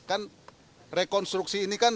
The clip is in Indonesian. kan rekonstruksi ini kan